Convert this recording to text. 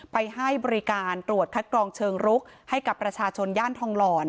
ให้บริการตรวจคัดกรองเชิงรุกให้กับประชาชนย่านทองหล่อ